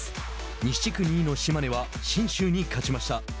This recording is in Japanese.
西地区２位の島根は信州に勝ちました。